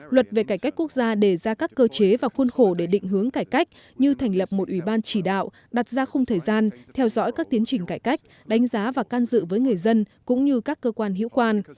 luật về cải cách quốc gia đề ra các cơ chế và khuôn khổ để định hướng cải cách như thành lập một ủy ban chỉ đạo đặt ra khung thời gian theo dõi các tiến trình cải cách đánh giá và can dự với người dân cũng như các cơ quan hữu quan